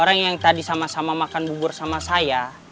orang yang tadi sama sama makan bubur sama saya